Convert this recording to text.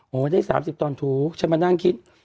ไม่ได้๓๐ตอนทุกฉันมานั่งคิด